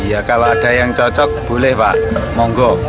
ya kalau ada yang cocok boleh pak monggo